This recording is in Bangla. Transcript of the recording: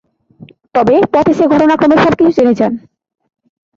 তবে, পথে সে ঘটনাক্রমে সবকিছু জেনে যান।